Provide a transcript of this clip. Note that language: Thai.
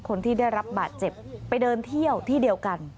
คนที่ได้รับบาดเจ็บไปเดินเที่ยวที่เดียวกัน